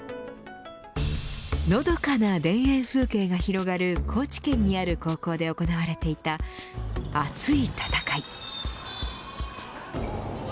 のどかな田園風景が広がる高知県にある高校で行われていた熱い戦い。